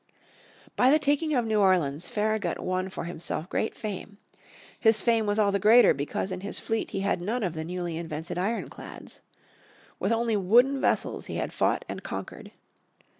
By the taking of New Orleans Farragut won for himself great fame. His fame was all the greater because in his fleet he had none of the newly invented ironclads. With only wooden vessels he had fought and conquered.